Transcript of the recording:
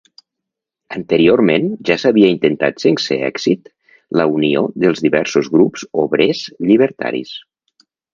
Anteriorment ja s'havia intentat sense èxit la unió dels diversos grups obrers llibertaris.